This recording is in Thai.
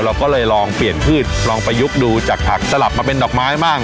เราก็เลยลองเปลี่ยนพืชลองประยุกต์ดูจากผักสลับมาเป็นดอกไม้บ้าง